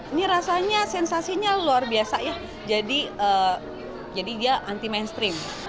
ini rasanya sensasinya luar biasa ya jadi dia anti mainstream